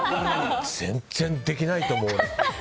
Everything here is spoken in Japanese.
全然できないと思う。